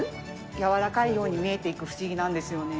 柔らかいように見えていく、不思議なんですよね。